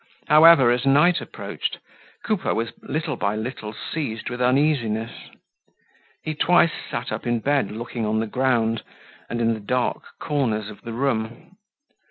However, as night approached, Coupeau was little by little seized with uneasiness. He twice sat up in bed looking on the ground and in the dark corners of the room.